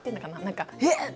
何か「えっ！」。